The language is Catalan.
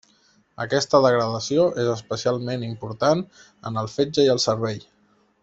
Aquesta degradació és especialment important en el fetge i el cervell.